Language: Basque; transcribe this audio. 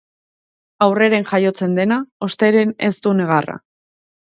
Aurreren jaiotzen dena osteren ez du negarra.